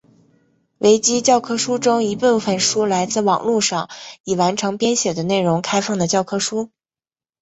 维基教科书中一部分书来自网路上已完成编写的内容开放的教科书。